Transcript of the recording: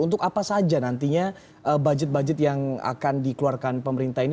untuk apa saja nantinya budget budget yang akan dikeluarkan pemerintah ini